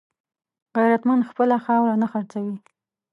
غیرتمند خپله خاوره نه خرڅوي